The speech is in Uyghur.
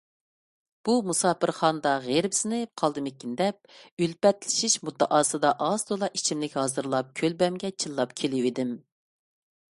بۇ مۇساپىرخانىدا غېرىبسىنىپ قالدىمىكىن دەپ، ئۈلپەتلىشىش مۇددىئاسىدا ئاز - تولا ئىچىملىك ھازىرلاپ كۆلبەمگە چىللاپ كېلىۋىدىم.